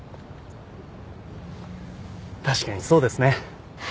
確かにそうですね。